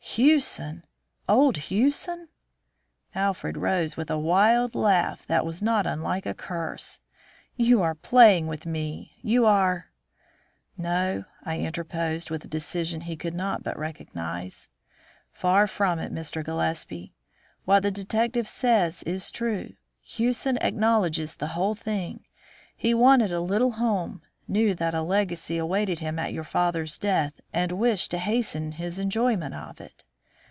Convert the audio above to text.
"Hewson! Old Hewson!" Alfred rose with a wild laugh that was not unlike a curse. "You are playing with me! You are " "No," I interposed, with a decision he could not but recognise. "Far from it, Mr. Gillespie. What the detective says is true. Hewson acknowledges the whole thing. He wanted a little home, knew that a legacy awaited him at your father's death, and wished to hasten his enjoyment of it.